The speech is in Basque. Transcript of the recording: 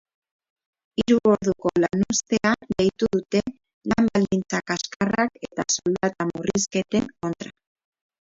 Hiru orduko lanuztea deitu dute lan baldintza kaskarrak eta soldata murrizketen kontra.